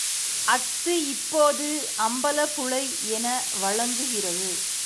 அஃது இப்போது அம்பலப்புழை என வழங்குகிறது.